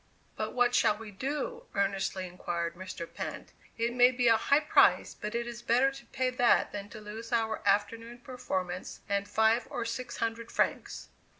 "But what shall we do?" earnestly inquired Mr. Pinte. "It may be a high price, but it is better to pay that than to lose our afternoon performance and five or six hundred francs."